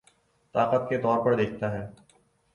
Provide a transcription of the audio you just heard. طاقت کے طور پر دیکھتا ہے